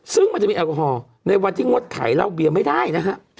ซึ่งมันจะมีแอลกอฮอล์ในวันที่งดขายเหล้าเบียร์ไม่ได้นะฮะ